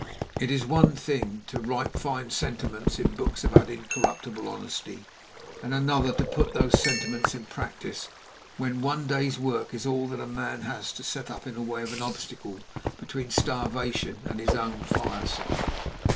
It is one thing to write fine sentiments in books about incorruptible honesty, and another thing to put those sentiments in practice when one day's work is all that a man has to set up in the way of an obstacle between starvation and his own fireside.